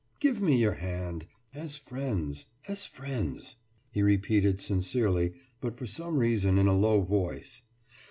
« »Give me your hand as friends as friends,« he repeated sincerely, but for some reason in a low voice.